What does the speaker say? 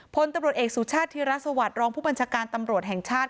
พลตำรวจเอกสุชาติธิรัฐสวัสดิ์รองผู้บัญชาการตำรวจแห่งชาติ